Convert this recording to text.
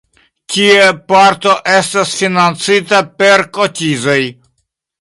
Tie parto estas financita per kotizoj.